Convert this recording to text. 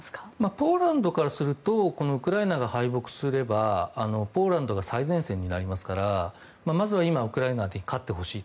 ポーランドからするとウクライナが敗北すればポーランドが最前線になりますからまずは今、ウクライナに勝ってほしいと。